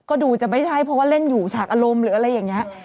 ก็ดูจะไม่ใช่เพราะว่าเล่นอยู่ฉากอารมณ์หรืออะไรอย่างนี้